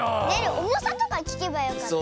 おもさとかきけばよかった。